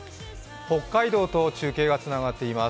北海道と中継がつながっています。